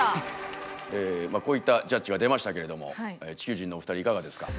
まあこういったジャッジが出ましたけれども地球人のお二人いかがですか？